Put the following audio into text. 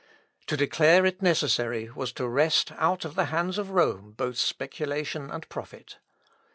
To declare it necessary was to wrest out of the hands of Rome both speculation and profit.